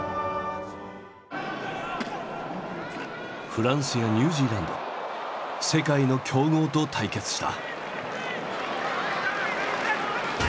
フランスやニュージーランド世界の強豪と対決した。